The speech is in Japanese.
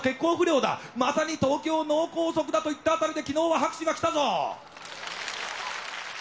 まさに東京脳梗塞だと言った辺りで昨日は拍手が来たぞ！